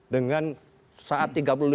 dengan saat tiga puluh lima